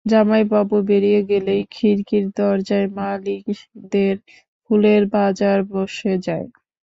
জামাইবাবু বেরিয়ে গেলেই খিড়কির দরজায় মালীদের ফুলের বাজার বসে যায়।